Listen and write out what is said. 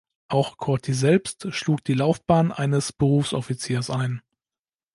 Auch Corti selbst schlug die Laufbahn eines Berufsoffiziers ein.